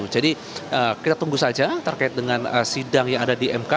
jadi kita tunggu saja terkait dengan sidang yang ada di mk